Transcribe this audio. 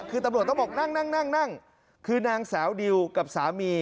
คือตำรวจต้องบอกนั่งนั่งคือนางสาวดิวกับสามี